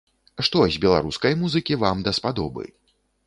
Што з беларускай музыкі вам даспадобы?